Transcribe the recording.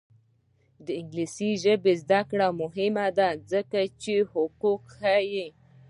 د انګلیسي ژبې زده کړه مهمه ده ځکه چې حقوق ښيي.